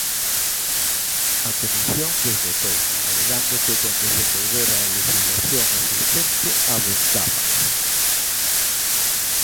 A Comisión, desbotouna alegando que con desenvolver a lexislación existente abondaba.